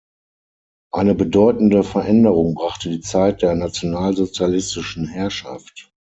Eine bedeutende Veränderung brachte die Zeit der nationalsozialistischen Herrschaft.